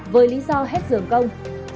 với lý do hết giường công